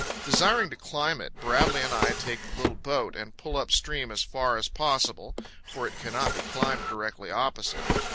Desiring to climb it, Bradley and I take the little boat and pull up stream as far as possible, for it cannot be climbed directly opposite.